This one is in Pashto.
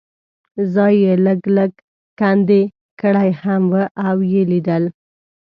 ځای یې لږ لږ کندې کړی هم و او یې لیدل.